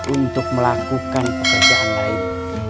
untuk melakukan pekerjaan lain